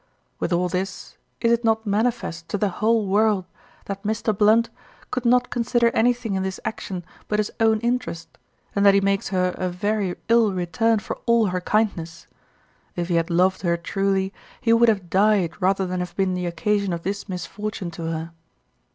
With all this is it not manifest to the whole world that Mr. Blunt could not consider anything in this action but his own interest, and that he makes her a very ill return for all her kindness; if he had loved her truly he would have died rather than have been the occasion of this misfortune to her.